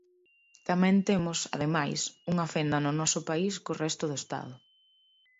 Tamén temos, ademais, unha fenda no noso país co resto do Estado.